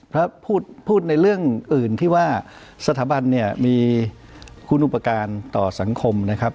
พระพูดในเรื่องอื่นที่ว่าสถาบันเนี่ยมีคุณอุปการณ์ต่อสังคมนะครับ